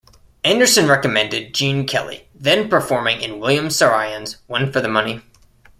Anderson recommended Gene Kelly, then performing in William Saroyan's "One for the Money".